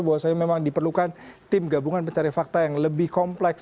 bahwasanya memang diperlukan tim gabungan pencari fakta yang lebih kompleks